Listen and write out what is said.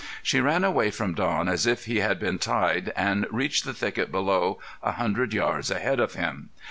She ran away from Don as if he had been tied and reached the thicket below a hundred yards ahead of him.